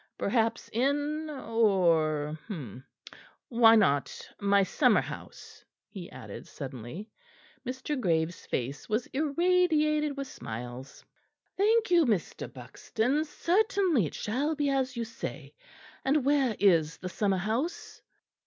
Perhaps in or Why not my summer house?" he added suddenly. Mr. Graves' face was irradiated with smiles. "Thank you, Mr. Buxton, certainly, it shall be as you say. And where is the summer house?"